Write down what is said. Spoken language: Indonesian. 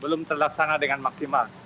belum terlaksana dengan maksimal